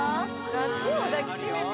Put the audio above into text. ・「夏を抱きしめて」？